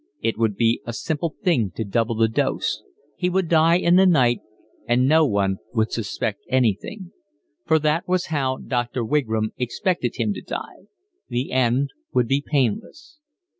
It would be a simple thing to double the dose; he would die in the night, and no one would suspect anything; for that was how Doctor Wigram expected him to die. The end would be painless.